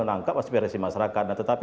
menangkap aspirasi masyarakat nah tetapi